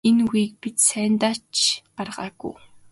Энэ үгийг бид сайндаа ч гаргаагүй.